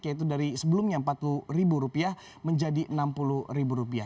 yaitu dari sebelumnya empat puluh rupiah menjadi enam puluh rupiah